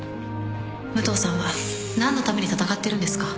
武藤さんは何のために戦ってるんですか？